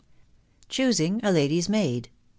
CHOOSING A LADY'S MAID.